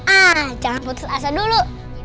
ah jangan putus asa dulu